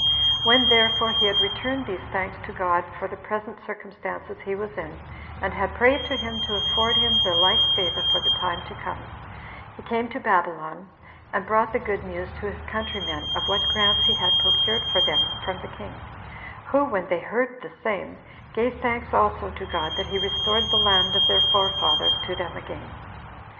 When therefore he had returned these thanks to God for the present circumstances he was in, and had prayed to him to afford him the like favor for the time to come, he came to Babylon, and brought the good news to his countrymen of what grants he had procured for them from the king; who, when they heard the same, gave thanks also to God that he restored the land of their forefathers to them again.